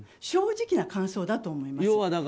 正直な感想だと思います。